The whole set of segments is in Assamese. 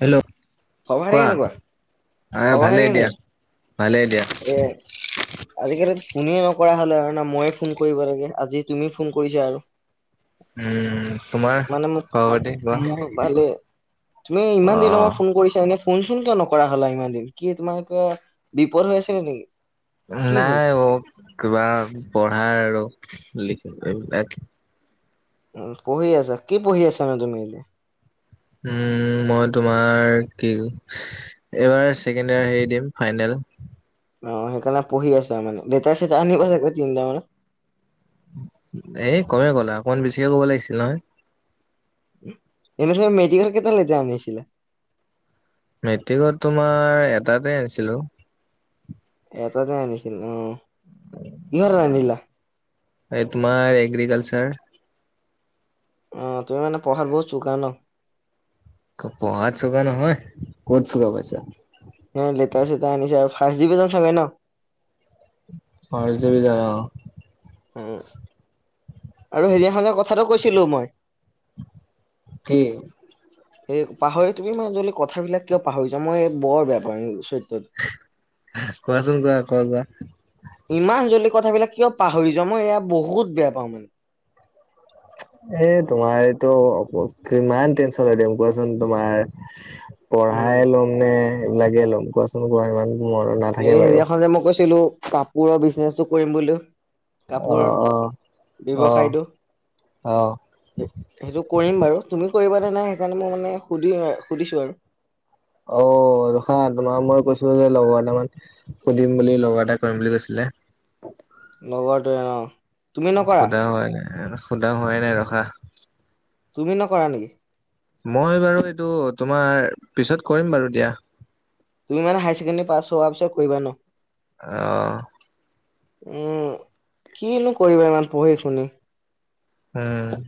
হেল্ল' খবৰ খাতি কোৱা। কেনেকুৱা আহ খবৰ ভালে খাতি দিয়া কেনেকুৱা ভালে দিয়া এ আজিকালি কোনে নকৰা হলে আৰু না মই ফোন কৰিব লাগে আজি তুমি ফোন কৰিছা আৰু উম তোমাৰ মানে মোক খাপতে কোৱা মোৰ ভালে তুমি ইমান দিনৰ মই ফোন অ কৰিছা এনে শুনচোন কিয় নকৰা হলা ইমান দিন কি তোমাৰ বিপদ হৈছিলে নেকি কি হ'ল নাই অ কিবা পঢ়া আৰু লিখ এইবিলাক উ পঢ়ি আছা কি পঢ়ি আছা মানে তুমি এ উম মই তোমাৰ কি এইবাৰ ছেকেণ্ড ইয়াৰ হেৰি দিম ফাইনেল অঁ, সেইকাৰণে পঢ়ি আছা মানে, দেউতাচ আনিব চাগৈ তিনিটা মানে এ কয়ে গ'ল, অকমান বেছিকে ক'ব লাগিছিল নহয়। এনে চে মেডিকেল কেইটা লৈকে আনিছিলে। মেট্ৰিকত তোমাৰ এটাতে আনিছিলো। এটাতে আনিছিল উম, কিহত ৰান্ধিলা? এই তোমাৰ এগ্ৰিকালচাৰ অঁ, তুমি মানে পঢ়াত বহুত চোকা ন। পঢ়াত চোকা নহয়, ক'ত চোকা পাইছা। লেটাৰ চেতাৰ আনিছে আৰু ফাৰ্ষ্ট ডিভিজন চাগে ন। ফাৰ্ষ্ট ডিভিজন অঁ উম আৰু সেইদিনাখন কথাটো কৈছিলো মই। কি? এই পাহৰি তুমি ইমান জল্দি কথাবিলাক কিয় পাহৰিছা, মই বৰ বেয়া পাওঁ এই কোৱাচোন কোৱা কোৱা কোৱা চৰিত্ৰত ইমান জল্দি কথাবিলাক কিয়? পাহৰি যাওঁ, মই এয়া বহুত বেয়া পাওঁ মানে। এ তোমাৰ এইটো কিমান টেনচন লৈ থাকিম কোৱাচোন তোমাৰ। উম পঢ়াই ল'ম নে এইবিলাকে ল'ম কোৱাচোন কোৱা ইমান। মনত নাথাকে এই বাৰু। সেইদিনাখন যে মই কৈছিলো কাপোৰৰ বিজনেচটো কৰিম বুলি। অ কাপোৰৰ অ অ ব্যৱসায়টো। অ সেইটো কৰিম বাৰু তুমি কৰিব নে নাই সেইকাৰণে মই মানে সুধিম সুধিছো আৰু অঁ, ৰখা তোমাৰ মই কৈছিলো যে লগৰ এটামান সুধিম বুলি লগৰ এটাই কৰিম বুলি কৈছিলে লগৰটোৱে অঁ। সোধা হয় নাই সোধা হোৱাই নাই ৰখা। তুমি নকৰা নেকি? মই বাৰু এইটো তোমাৰ পিছত কৰিম বাৰু দিয়া। তুমি মানে হাই ছেকেণ্ডাৰী পাছ হোৱাৰ পিছত কৰিবা ন। অঁ উম কিনো কৰিবা ইমান পঢ়ি শুনি উম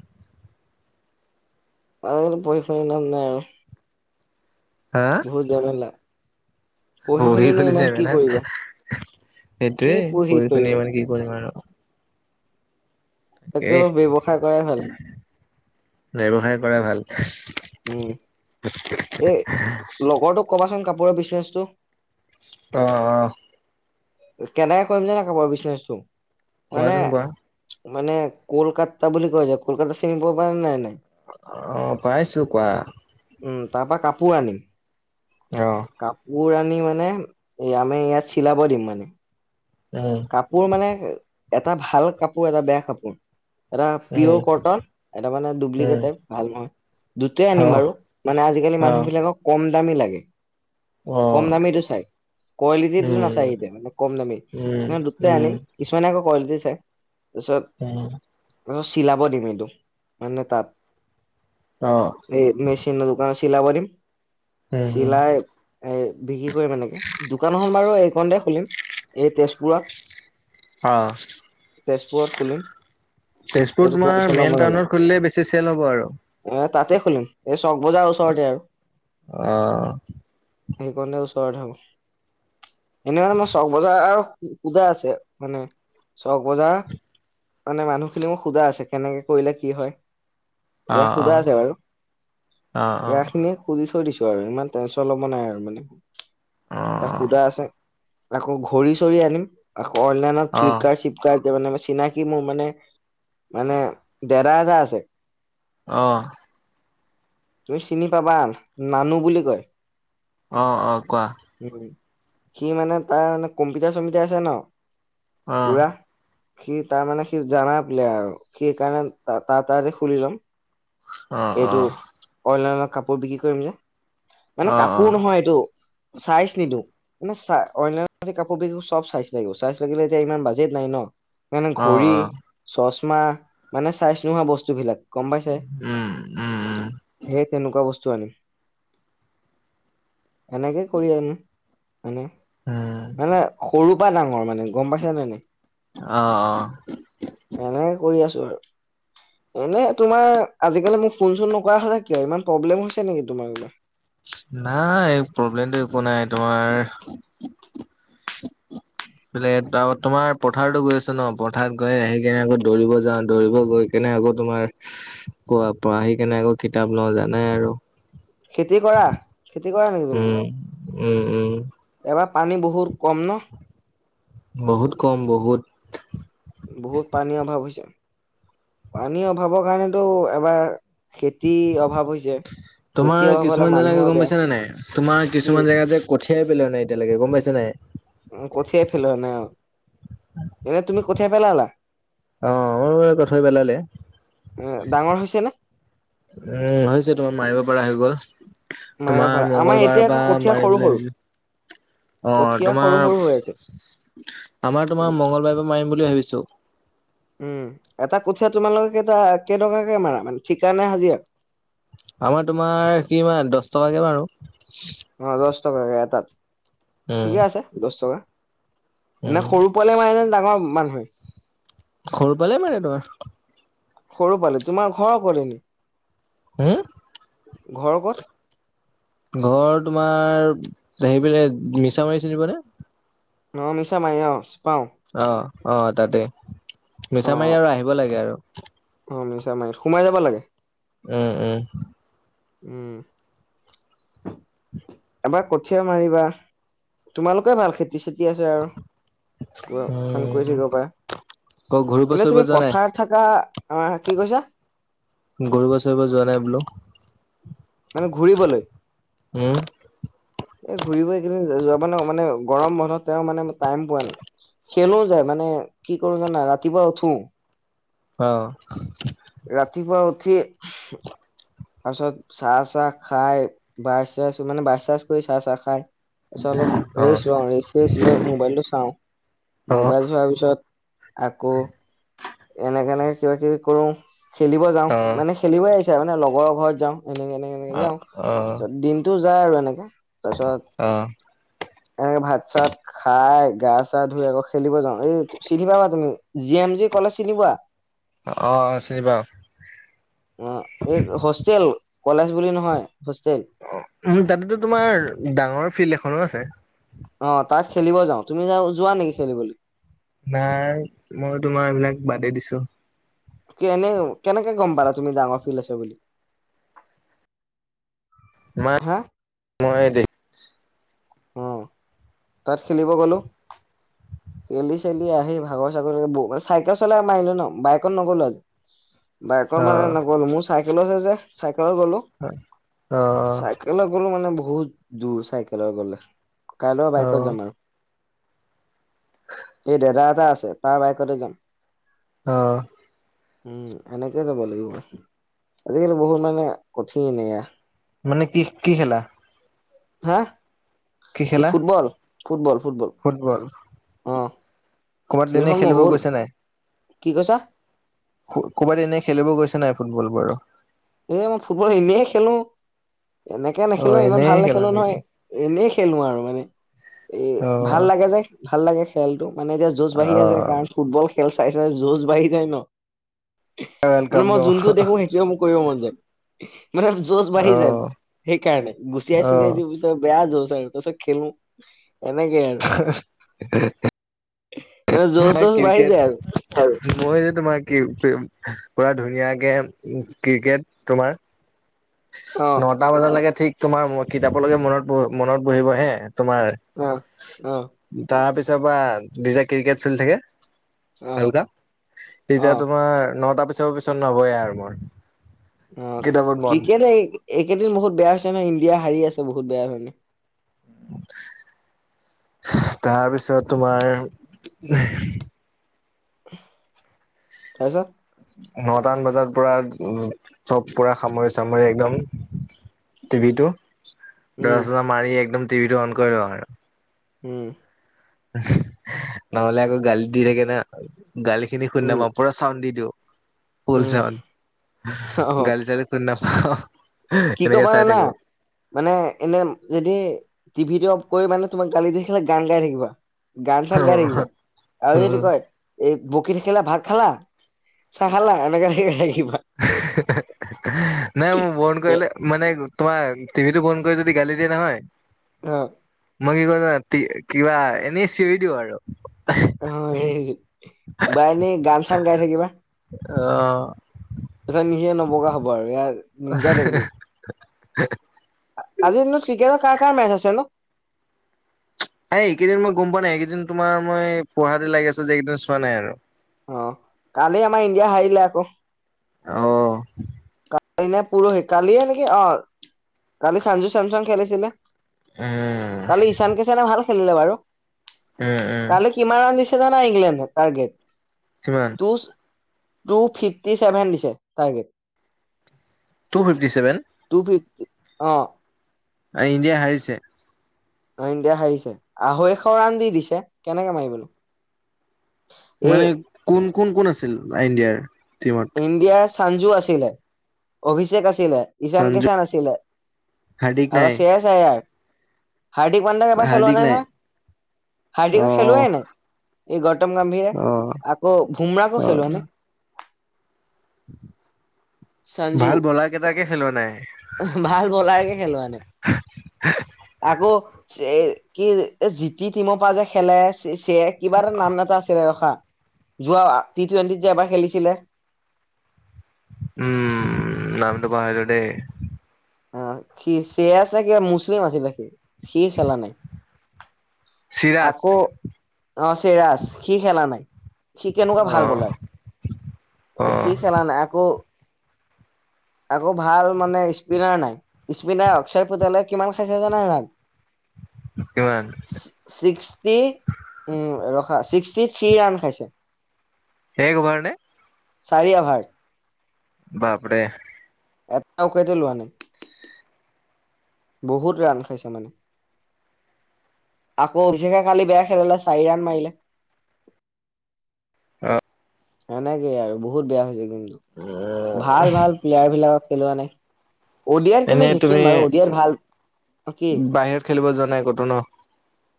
আৰু অলপ পঢ়ি শুনিয লাভ নাই আৰু [inaudible] [unintelligible] পঢ়ি শুনিনো খুলিছে ইমান মে কি না কৰিবা কি সেইটোয়ে পঢ়ি শুনি কৰিবা মানে কি কৰিম আৰু এ তাকো ব্যৱসায় কৰাই ভাল। ব্যৱসায় কৰা ভাল। উম [unintelligible] এ লগৰটোক কবাচোন কাপোৰৰ বিজনেচটো অ অ কেনেকে কৰিম যে নে খ বাৰ বিজনেচটো মানে কোৱাচোন কোৱা মানে কলকাতা বুলি কোৱা যায় কলকাতা [unintelligible] নাই নাই অ পাইছো কোৱা উম তাপা কাপোৰ আনিম অ কাপোৰ আনি মানে এ আমি ইয়াত চিলাব দিম মানে উ কাপোৰ মানে এটা ভাল কাপোৰ এটা বেয়া কাপোৰ এটা পি'য় উম কটন এটা মানে ডুপ্লিকেট উম টাইপ ভাল নহয় দুটাই আনিম অহ বাৰু মানে আজিকালি অহ মানুহবিলাকক কম দামী লাগে অ কম দামীটো চাই কোৱালিটিটো নাচাই উম সিহঁতে মানে কম দামী উম ন উম দুটাই উম আনিম কিছমানানে আক কুৱালিটি চায় তাৰপিছত উম তাৰছত চিলাব দিম এইটো মানে তাত অ এই মেচিনৰ দোকানত চিলাব দিম উম উম চিলাই এ বিক্ৰী কৰিম এনেকে দোকানখন বাৰু এইক দে খুলিম এই তেজপুৰত অঁ [inaudible] তেজপুৰ এইটো তোমাৰ টেনচন ল'ব মেইন নালাগে টাউনত খুলিলে বেছি চেল হ'ব আৰু। এ তাতে খুলিম এই চক বজাৰ ওচৰতে আৰু। অ সেইকাৰণে ওচৰত থাকো এনে মানে মই চক বজাৰ পূজা আছে মানে ছক বজাৰ্ মানে মানুহখিনি মোক সোধা আছে কেনেকে কৰিলে কি হয়। অ ইয়াক সোধা আছে বাৰু অ অ ইয়াখিনি সুধি থৈ দিছো আৰু ইমান টেনচন ল'ব নাই আৰু মানে তাইক সুধা আছে। আকৌ ঘড়ী চৰি আনিম আকৌ অনলাইনত অ অ ফ্লিপকাৰ্ট হিপ [unintelligible] মানে চিনাকি মোৰ মানে মানে দেদা এদা আছে। অ। তুমি চিনি পাবা নানু বুলি কয় অ অ কোৱা সি মানে তাৰ কম্পিটাৰ চম্পিটাৰ আছে ন অ উৰা সি তাৰমানানে সি জা প্লে আৰু সি কাৰণে তাৰ তাৰে খুলি লম অ অ এইটো অনলাইনত কাপোৰ বিক্ৰী কৰিম যে অ অ মানে কাপোৰ নহয় এইটো চাইজ নিদিওঁ। মানে চা অনলাইন কাপোৰ যিবোৰ চব চাইজ লাগিব চাই লাগিলে এতিয়া ইমান বাজেট নাই ন। মানে অ ঘড়ী অ চচমা মানে চাইজ নোহোৱা বস্তুবিলাক গম পাইছে উম উম উম সেই তেনেকুৱা বস্তু আনিম। এনেকে কৰি আহিম। মানে উম মানে সৰু পৰা ডাঙৰ মানে গম পাইছে নে নাই? অ অ এনেই কৰি আছো আৰু এনে তোমাৰ আজিকালি মোক ফোন চোন নকৰা হলা কিয় ইমান প্ৰব্লেম হৈছে নেকি তোমাৰ বিলা নাই প্ৰব্লেমটো একো নাই তোমাৰ এফালে তোমাৰ পথাৰতো গৈ আছো ন পথাৰত গৈ আহিকিনে আকৌ দৌৰিব যাওঁ, দৌৰিব গৈ কেনে আকৌ তোমাৰ প পঢ়া আহি কেনে আকৌ কিতাপ লওঁ জানাই আৰু খেতি কৰা? খেতি কৰা নেকি? তুমি উম উম উম। এবাৰ পানী বহুত কম ন? বহুত কম বহুত। বহুত পানী অভাৱ হৈছে। পানী অভাৱৰ কাৰণেতো এবাৰ খেতি অভাৱ হৈছে। খেতি তোমাৰ অভাৱ হলে কিছুমান জেগা মানুহৰ গম বেয়া পাইছা নে নাই তোমাৰ কি কিছুমান জেগা যে কঠিয়াই পেলোৱা নাই এতিয়ালৈকে গম পাইছা নাই? কঠিয়াই পেলোৱা নাই অ এনে তুমি কঠিয়া পেলালা? অ মোৰ বাৰু কঠিয়া পেলালে। উম ডাঙৰ হৈছে নে? উম হৈছে তোমাৰ মাৰিব পৰা হৈ গ'ল। মায়ে তোমাৰ পৰা আমাৰ মঙ্গলবাৰৰ এতিয়া আকৌ পৰা কঠীয়া মাৰিম সৰু বুলি সৰু ভাবিছোঁ অ কঠীয়া সৰু সৰু তোমাৰ হৈ আছে। আমাৰ তোমাৰ মঙলবাৰ পৰা মাৰিম বুলি ভাবিছো। উম এটা কঠিয়া তোমালোকে কেইটা কেইটকাকে মাৰা মানে ঠিকা নে হাজিৰা? আমাৰ তোমাৰ কি মান দহ টকাকে বাৰু অ দহ টকাকে এটাত উম, ঠিকে আছে দহ টকা। নে উম। সৰু পোৱালিয়ে মাৰে নে ডাঙৰ মানুহে? সৰু পোৱালিয়ে মাৰে তোমাৰ। সৰু পোৱালি তোমাৰ ঘৰৰ পোলালি নেকি? হুম ঘৰ ক'ত ঘৰ তোমাৰ সেইফালে মিছা মাৰি চিনিপোৱানে অ মিছা মাৰি অ পাওঁ অ অ তাতে অ মিছা মাৰি আৰু আহিব লাগে আৰু অ মিছা মাৰিত সোমাই যাব লাগে? উম উম উম এবাৰ কঠীয়া মাৰিবা তোমালোকে ভাল খেতি চেতি আছে আৰু কৰি উম থাকিব পাৰে অ ঘূৰিব চুৰিব এনেতুমি যোৱা নাই পথাত থাকা আ কি কৈছা? ঘুৰিব চুৰিব যোৱা নাই বোলো? মানে ঘূৰিবলৈ? উম, এই ঘূৰিব এইকেইদিন যাব নোৱাও মানে গৰম বন্ধত তেওঁ মানে টাইম পোৱা নাই। খেলো যে মানে কি কৰো জানা ৰাতিপুৱা উঠো। অ ৰাতিপুৱা উঠি তাপাছত চাহ চাহ খাই বাই চেছ মানে বাই চেছ কৰি চাহ চাহ খাই পিছে অলপ অ ৰেইচ অ লওঁ ৰেচ ৰেচ লৈ মোবাইলটো চাওঁ মোবাইল চোৱাৰ পিছত আকৌ এনেকে এনেকে কিবা কিবি কৰো খেলিব যাওঁ অ মানে খেলিবই আহিছে মানে লগৰৰ ঘৰত যাওঁ এনেকে এনেকে এনে এনেকে যাওঁ অ পিছত দিনতটো যায় আৰু এনেকে। তাছত অ এনেকে ভাত চাত খাই গা চা ধুই আকৌ খেলিব যাওঁ এই চিনি পাবা তুমি জি এম জিক কলেজ চিনি পোৱা অ অ চিনি পাওঁ। অ এই হোষ্টেল কলেজ বুলি নহয় হোষ্টেল। অ উ তাতোটো তোমাৰ ডাঙৰ ফিল্ড এখনো আছে। অ তাক খেলিব যাওঁ তুমি যা যোৱা নেকি খেলিবলৈ? নাই মই তোমাৰ এইবিলাক বাদে দিছোঁ। কেনে কেনেকে গ'ম পালা তুমি ডাঙৰ ফিল্ড আছে বুলি? মাক হা মই দেখ- অ তাত খেলিব গ'লো। খেলি চেলি আহি ভাগৰ চাগৰে বৌ চাইকেল চলাই মাৰিলোঁ ন বাইকত নগ'লো আজি। [inaudible] বাইকৰ মানে নগ'লো, মোৰ চাইকেলো আছে যে চাইকেলত গ'লো। হয় অ অ। কেলে গলোঁ মানে বহুত দূৰ চাইকেলত গ'লে কাইল বাইকত অ', যাম আৰ। এই দাদা এটা আছে তাৰ বাইকতে যাম। অ। উম এনেকে যাব লাগিব। আজিকালি বহুত মানে কঠিন এয়া। মানে কি কি খেলা? হা, কি এই খেলা? Football football football. ফুটবল। অ ক'ৰবাত এনে ফিল্ডখন খেলিব মহল, গৈছে কি কৈছা? ফু ক'ৰবাত এনেই খেলিব গৈছে নাই ফুটবল বাৰু। এ মই ফুটবল এনেই খেলো এনেকে নেখেলো অ', ইমান এনেই ভাল খেলা নেখেলো নেকি? নহয়। এনেই খেলো আৰু মানে এ ভাল অ', লাগে যে ভাল লাগে খেলটো মানে এতিয়া যৌজ বাঢ়ি আছে অ', কাৰণ ফুটবল খেল চাই চাই যৌজ বাঢ়ি যায় ন। মানে ৱেলকাম ন? মই যোনটো দেখো সে- তিয় মো কৰিব মন যায় মানে যৌজ বাঢ়ি যায় অ', সেইকাৰণে গুচিয়াই চুচিয়াই অ', দি বুজ ত বেয়া যৌচ আহে কৈছো খেলো এনে কে মানে [unintelligible] জোচ মই চোচ বাঢ়ি যায় আৰু ক্ৰিকেট আৰু মই যে তোমাৰ কি পেয়ম পুৰা ধুনীয়াকে ক্ৰিকেট তোমাৰ অ নটা বজালৈকে ঠিক তোমাৰ কিতাপলৈকে মনত মনত বহিব হে তোমাৰ অ অ। তাৰ পিছৰ পৰা দিজে ক্ৰিকেট চলি থাকে। অ আও কা ভাল অ সিজে তোমাৰ নটা পিছৰ পিছত নবয়ে আৰু মৰ অ ক্ৰিকেটে এই একেদিন বহুত বেয়া হৈছে নহয় ইণ্ডিয়া হাৰি আছে বহুত বেয়া ভাবে। তাৰ পিছত তোমাৰ তাছত নটান বজাত পুৰা চব পুৰা সামৰি চামৰি একদম টিভি টো দৰা উম চৰা মাৰি একদম টিভিটো অন কৰি লওঁ আৰ উম নহ'লে আকৌ গালি দি থাকে না গালি খিনি শুনি উম নাপাওঁ পুৰা চাউড দি দিওঁ ফুল উম চওন অ গালি চালি শুনি নাপাওঁ কি এনেকে কবা চাই জানা থাকো মানে এনে যদি টিভিটি অফ কৰি মানে তোমাক গালি দি থাকিলে গান গাই থাকিবা গান চান গাই থাকিবা আৰু যদি উম কয় এই বকী থাকিলে ভাত খালা চাহ খালা এনেকে হে হে থাকিবা নাই মোৰ মন এ কৰিলে মানে তোমাক টিভি টো বন্ধ কৰি যদি গালি দিয়ে নহয় অহ মই কি কৰো যানা কিবা এনেই চিঞৰি দিওঁ আৰু অ বা এনেই গান চান গাই থাকিবা আহ তাৰ পিছত নিজে নবকা হ'ব আৰু ইয়া নিঞ্জা টেকনিক আজিৰ দিনত ক্ৰিকেটৰ কাৰ কাৰ মেচ আছে ন এই এইকেইদিন মই গম পোৱা নাই এইকেইদিন তোমাৰ মই পঢ়াতে লাগি আছো যে এইকেইদিন চোৱা নাই আৰু অ কালি আমাৰ ইণ্ডিয়াই সাৰিলে আকৌ অহ কালি নে পৰহি কালিয়ে নেকি অ কালি চান্জু চেমচুং খেলিছিলে উম কালি ঈশান কিছানে ভাল খেলিলে বাৰু উম উম কালি কিমান ৰাণ দিছে জানা ইংলেণ্ডে টাৰ্গেট কিমান টুছ টুফিফটি ছেভেন দিছে target two fifty seven two fifty অ ইণ্ডিয়া হাৰিছে অ ইণ্ডিয়া হাৰিছে, আঢ়ৈশ ৰাণ দি দিছে কেনেকে মাৰিব নো মানে কোন কোন কোন আছিল ইণ্ডিয়াৰ টিমত ইণ্ডিয়াৰ চান্জু আছিলে, অভিষেক আছিলে ঈছান সঞ্জু কিছান আছিলে হাৰ্দিক আৰু নাই। শ্বেয়াৰ ছায়াৰ হাৰ্দিক পাণ্ডেক এবাৰ খেলোৱা নাই নহয় অ হাৰ্দিকক খেলোৱাই নাই এই গৌতম গাম্ভীৰে অ আকৌ ভুমৰাগো অ খেলোৱা নাই [inaudible] সঞ্জু ভাল বলাৰ কেইটাকে খেলোৱা নাই ভাল বলাৰ কে খেলোৱা নাই আকৌ চে কি জিটি টিমৰ পৰা যে খেলে চেক কিবা এটা নাম এটা আছিলে ৰখা যোৱা টি টুৱেণ্টিত যে এবাৰ খেলিছিলে উম নামটো পাহৰিলো দেই অ সি চেয়াচ না কিবা মুছলিম আছিলে সি সি খেলা নাই চিৰাজ আকৌ অ চেৰাজ সি খেলা নাই সি কেনেকুৱা অ ভাল অ বলাৰ সি খেলা নাই আকৌ আকৌ ভাল মানে স্পিনাৰ নাই স্পিনাৰ অক্ষয় পোতালে কিমান খাইছে জানা নাই ৰাণ কিমান ছিক্সটি উম ৰখা ছিক্সটি থ্ৰী ৰাণ খাইছে শেষ অভাৰ নে চাৰি অভাৰ বাপৰে এটা উইকেইতো লোৱা নাই বহুত ৰান খাইছে মানে আকৌ অভিশেষে কালি বেয়া খেলিলে চাৰি ৰাণ মাৰিলে অহ সেনেকেই আৰু বহুত বেয়া হৈছে কিন্তু উম ভাল ভাল প্লিয়াৰ বিলাকক খেলোৱা নাই অডিআই কিন্তু এনে জিকিম বাৰু তুমি অডিআই ভাল কি বাহিৰত খেলিব যোৱা নাই ক'তো ন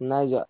নাই যোৱা